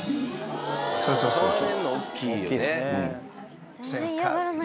そうそうそうそう。